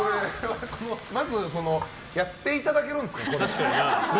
まずやっていただけるんですか？